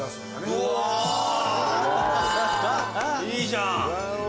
いいじゃん。